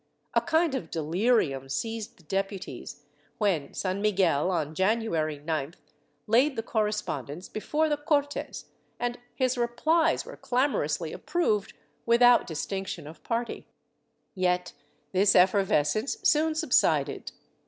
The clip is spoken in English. A kind of delirium seized the deputies when San Miguel on January 9th laid the correspondence before the Cortes, and his replies were clamorously approved without distinction of party .^ Yet this effervescence soon subsided.